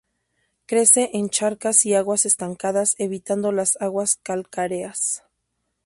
Crece en charcas y aguas estancadas evitando las aguas calcáreas.